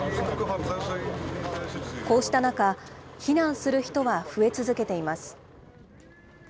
こうした中、避難する人は増え続けています。